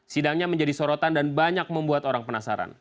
sidangnya menjadi sorotan dan banyak membuat orang penasaran